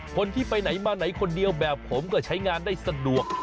คนที่ไปไหนมาไหนคนเดียวแบบผมก็ใช้งานได้สะดวก